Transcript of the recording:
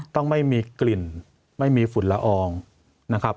ต้องไม่มีกลิ่นไม่มีฝุ่นละอองนะครับ